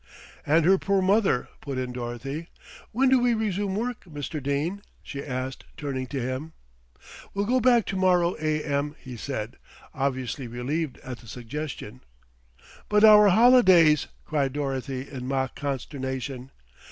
"And her poor mother," put in Dorothy. "When do we resume work, Mr. Dene?" she asked, turning to him. "We'll go back to morrow a.m.," he said, obviously relieved at the suggestion. "But our holidays!" cried Dorothy in mock consternation.